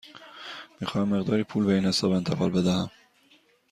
می خواهم مقداری پول به این حساب انتقال بدهم.